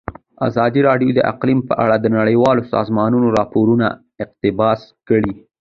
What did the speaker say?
ازادي راډیو د اقلیم په اړه د نړیوالو سازمانونو راپورونه اقتباس کړي.